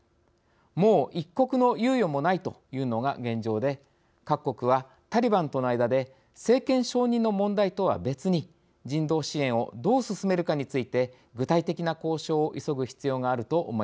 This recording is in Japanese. もう一刻の猶予もないというのが現状で各国はタリバンとの間で政権承認の問題とは別に人道支援をどう進めるかについて具体的な交渉を急ぐ必要があると思います。